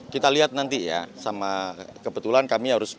kita lihat nanti ya sama kebetulan kami harus